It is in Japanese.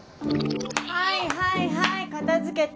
はいはいはい片付けて